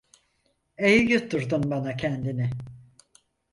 Eyi yutturdun bana kendini…